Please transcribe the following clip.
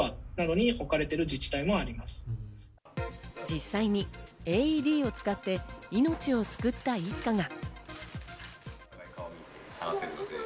実際にＡＥＤを使って命を救った一家が。